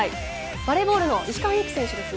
バレーボールの石川祐希選手です。